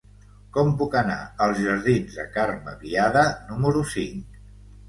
Com puc anar als jardins de Carme Biada número cinc?